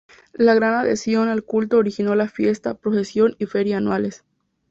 La gran adhesión al culto originó la fiesta, procesión y feria anuales.